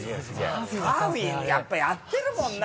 サーフィンやっぱやってるもんな！